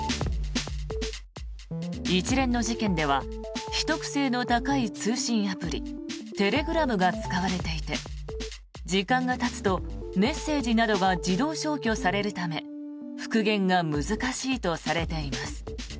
一連の事件では秘匿性の高い通信アプリテレグラムが使われていて時間がたつと、メッセージなどが自動消去されるため復元が難しいとされています。